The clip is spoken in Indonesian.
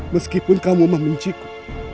meskipun kamu membenciku